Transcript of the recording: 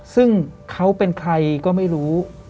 ซึ่งเขาเป็นใครก็ไม่รู้